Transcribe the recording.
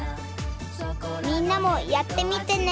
みんなもやってみてね！